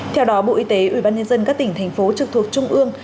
theo đó bộ y tế ubnd các tỉnh thành phố trực thuộc trung ương